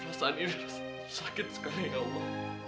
rasanya sakit sekali allah